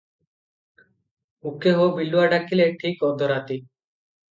ହୁକେ-ହୋ, ବିଲୁଆ ଡାକିଲେ ଠିକ୍ ଅଧରାତି ।